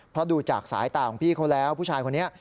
เพราะดูจากสายตาของพี่เขาแล้วผู้ชายคนนี้